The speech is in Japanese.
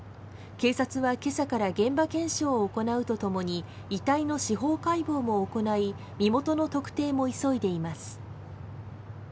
警察は今朝から現場検証を行うとともに遺体の司法解剖も行い身元の特定も急いでいます。